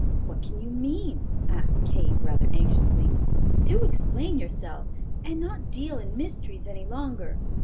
"What can you mean?" asked Kate, rather anxiously. "Do explain yourself, and not deal in mysteries any longer.